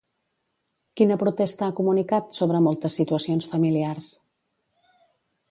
Quina protesta ha comunicat, sobre moltes situacions familiars?